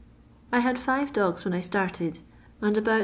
I had five dogs when I started, and about 1